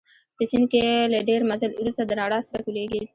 په سیند کې له ډېر مزل وروسته د رڼا څرک ولګېد.